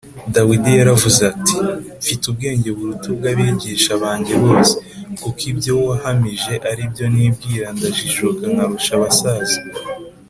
dawidi yaravuze ati, “mfite ubwenge buruta ubw’abigisha banjye bose, kuko ibyo wahamije ari byo nibwira ndajijuka nkarusha abasaza